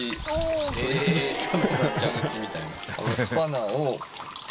蛇口みたいな。